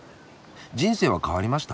人生は変わりました？